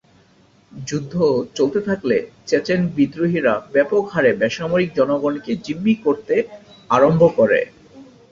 যুদ্ধ চলতে থাকলে চেচেন বিদ্রোহীরা ব্যাপক হারে বেসামরিক জনগণকে জিম্মি করতে আরম্ভ করে।